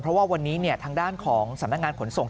เพราะว่าวันนี้ทางด้านของสำนักงานขนส่ง